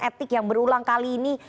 etik yang berulang kali ini